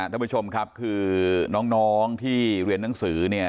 ท่านผู้ชมครับคือน้องที่เรียนหนังสือเนี่ย